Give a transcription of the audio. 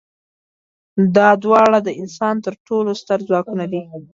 دا دواړه د انسان تر ټولو ستر ځواکونه دي.